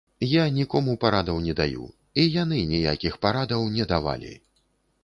Я нікому парадаў не даю, і яны ніякіх парадаў не давалі.